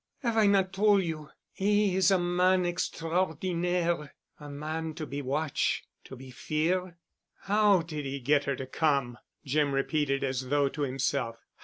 "'Ave I not tol' you 'e is a man extraordinaire—a man to be watch'—to be fear'——?" "How did he get her to come?" Jim repeated, as though to himself.